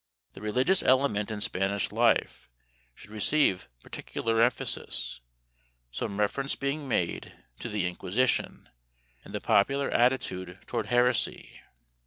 The religious element in Spanish life should receive particular emphasis, some reference being made to the Inquisition and the popular attitude toward heresy.